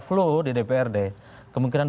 flu di dprd kemungkinan